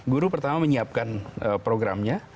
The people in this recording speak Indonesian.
guru pertama menyiapkan programnya